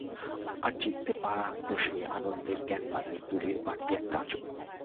আর জিততে পারা তো সেই আনন্দের ক্যানভাসে তুলির বাড়তি একটা আঁচড়।